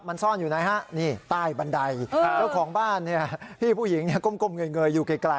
มันซ่อนอยู่ไหนฮะนี่ใต้บันไดเออแล้วของบ้านเนี่ยพี่ผู้หญิงเนี่ยก้มก้มเงยเงยอยู่ไกลไกล